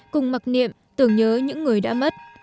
cùng mặc niệm tưởng nhớ những người đã mất